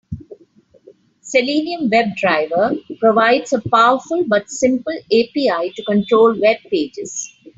Selenium WebDriver provides a powerful but simple API to control webpages.